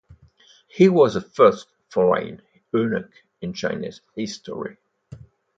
He was the first foreign eunuch in Chinese history.